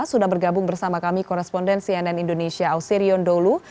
sudah bergabung bersama kami koresponden cnn indonesia ausirion dholu